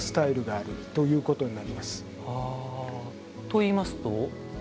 といいますと？